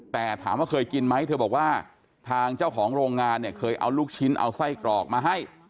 แต่ถามว่าเคยกินไหมเธอบอกว่าทางเจ้าของโรงงานเนี่ยเคยเอาลูกชิ้นเอาไส้กรอกมาให้